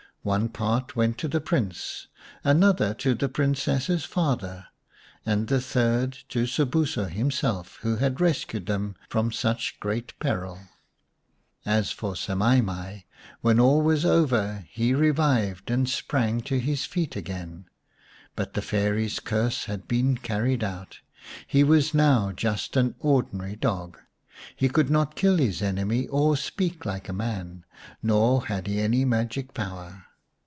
One part went to the Prince, another to the Princess's father, and the third to Sobuso himself, who had rescued them from such great peril. As for Semai mai, when all was over he revived and sprang to his feet again. But the Fairy's curse had been carried out. He was now just an ordinary dog. He could not kill his enemy or speak like a man, nor had he any magic power.